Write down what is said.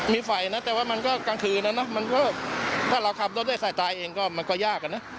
มีไฟเนาะแต่ว่ามันก็กลางคืนแล้วถ้าเราขับรถแล้วไหญ่ใส่สายเองก็ยาก